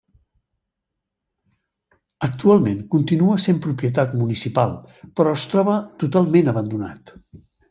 Actualment continua sent propietat municipal però es troba totalment abandonat.